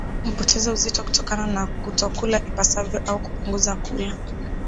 Mnyama hupoteza uzito kutokana na kutokula ipasavyo au kupunguza kula